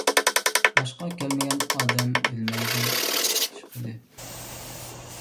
باشقا كەلمىگەن ئادەم بىلمەيدۇ، ئىشقىلىپ.